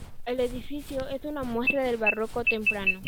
El edificio es una muestra del barroco temprano.